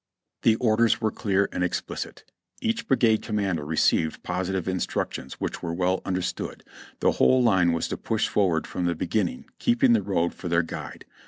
The orders were clear and explicit, each brigade commander received positive instruc tions which were well understood; the whole line was to push forward from the beginning, keeping the road for their guide.